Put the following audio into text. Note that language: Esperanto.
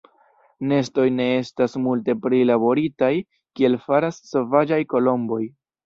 Nestoj ne estas multe prilaboritaj kiel faras sovaĝaj kolomboj.